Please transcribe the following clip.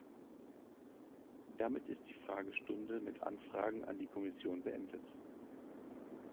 Damit ist die Fragestunde mit Anfragen an die Kommission beendet.